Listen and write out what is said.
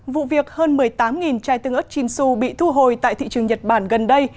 vụ việc hơn một mươi tám chai tương ớt chinsu bị thu hồi tại thị trường nhật bản gần đây